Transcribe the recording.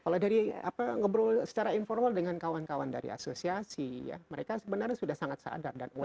kalau dari ngobrol secara informal dengan kawan kawan dari asosiasi ya mereka sebenarnya sudah sangat sadar dan aware